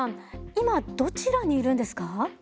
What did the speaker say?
今どちらにいるんですか？